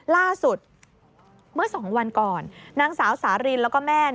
ล่าสุดเมื่อ๒วันก่อนนางสาวสารินแล้วก็แม่